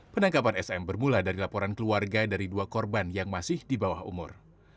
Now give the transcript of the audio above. penangkapan sm bermula dari laporan keluarga dari dua korban yang masih di bawah umur